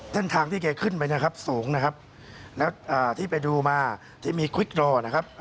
เส้นทางที่แกขึ้นไปนะครับสูงนะครับแล้วอ่าที่ไปดูมาที่มีควิดรอนะครับ